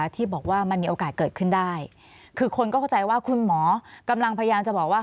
ที่บอกว่ามันมีโอกาสเกิดขึ้นได้คือคนก็เข้าใจว่าคุณหมอกำลังพยายามจะบอกว่า